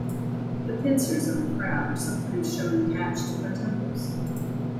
The pincers of a crab are sometimes shown attached to her temples.